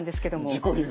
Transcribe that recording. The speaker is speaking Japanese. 自己流で。